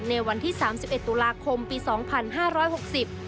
ในวันที่๓๑ตุลาคมปี๒๕๖๐